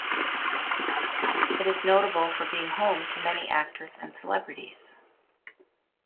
It is notable for being home to many actors and celebrities.